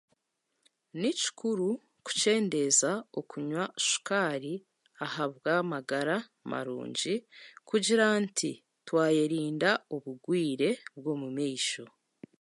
Ni kikuru kukyendeeza okunywa sukaari ahabw'amagara marungi kugira nti twayerinda oburwiire bw'omumaisho.